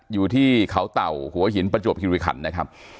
อยู่ที่เขาเต่าหัวหินประจวบคิริขันนะครับ